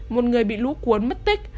một người bị lũ cuốn mất tích